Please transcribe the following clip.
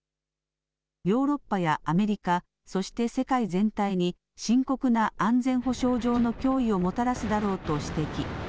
ヨーロッパやアメリカ、そして世界全体に深刻な安全保障上の脅威をもたらすだろうと指摘。